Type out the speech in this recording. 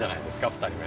２人目。